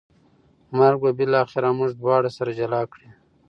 مرګ به بالاخره موږ دواړه سره جلا کړي